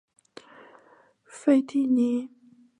费蒂尼。